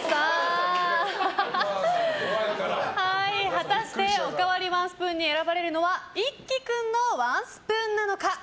果たしておかわりワンスプーンに選ばれるのは一輝君のワンスプーンなのか。